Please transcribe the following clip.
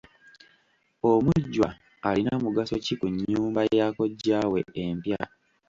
Omujjwa alina mugaso ki ku nnyumba ya kkojjaawe empya?